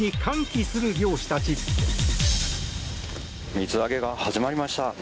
水揚げが始まりました。